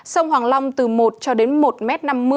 sông hoàng long từ một cho đến một năm mươi mét